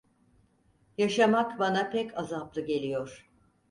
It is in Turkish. Yaşamak bana pek azaplı geliyor…